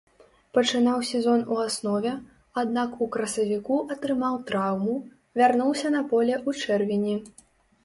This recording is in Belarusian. Пачынаў сезон у аснове, аднак у красавіку атрымаў траўму, вярнуўся на поле ў чэрвені.